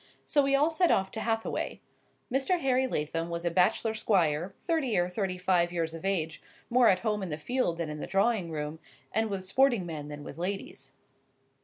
So we all set off to Hathaway. Mr. Harry Lathom was a bachelor squire, thirty or thirty five years of age, more at home in the field than in the drawing room, and with sporting men than with ladies.